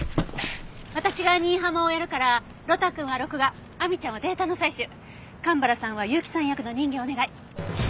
私が新浜をやるから呂太くんは録画亜美ちゃんはデータの採取蒲原さんは結城さん役の人形をお願い。